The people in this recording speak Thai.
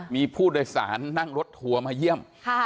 มีผู้โดยสารนั่งรถทัวร์มาเยี่ยม